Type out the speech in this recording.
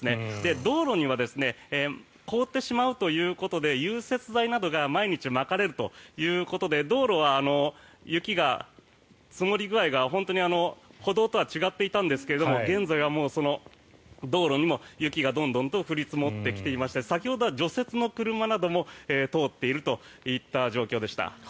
道路には凍ってしまうということで融雪剤などが毎日まかれるということで道路は雪が積もり具合が本当に歩道とは違っていたんですが現在はその道路にも雪がどんどんと降り積もってきていまして先ほどは除雪の車なども通っているといった状況でした。